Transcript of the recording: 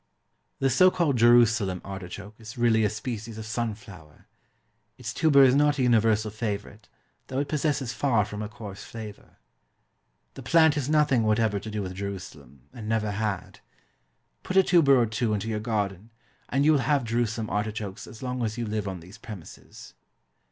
The so called JERUSALEM ARTICHOKE is really a species of sunflower. Its tuber is not a universal favourite, though it possesses far from a coarse flavour. The plant has nothing whatever to do with Jerusalem, and never had. Put a tuber or two into your garden, and you will have Jerusalem artichokes as long as you live on those premises.